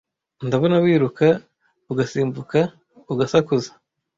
Ndabona wiruka ugasimbuka ugasakuza